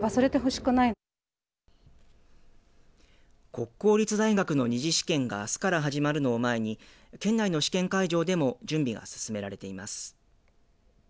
国公立大学の２次試験があすから始まるのを前に県内の試験会場でも準備が進められています。